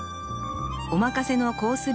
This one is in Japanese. お任せのコース